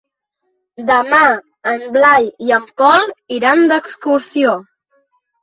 Demà en Blai i en Pol iran d'excursió.